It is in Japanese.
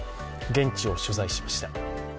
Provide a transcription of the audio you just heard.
現地を取材しました。